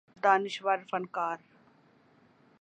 دانشور فنکار